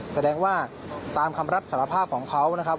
แสดงว่าตามคำรับสารภาพของเขานะครับ